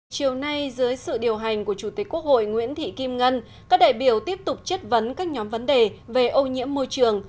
chiều nay dưới sự điều hành của chủ tịch quốc hội nguyễn thị kim ngân các đại biểu tiếp tục chất vấn các nhóm vấn đề về ô nhiễm môi trường